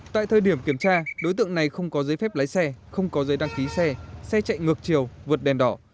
tại thời điểm kiểm tra đối tượng này không có giấy phép lái xe không có giấy đăng ký xe xe chạy ngược chiều vượt đèn đỏ